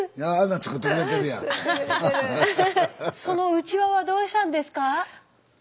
そのうちわはどうしたんですか？